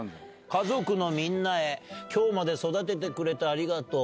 家族のみんなへ、きょうまで育ててくれてありがとう。